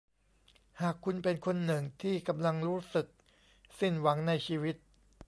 หากคุณเป็นคนหนึ่งที่กำลังรู้สึกสิ้นหวังในชีวิต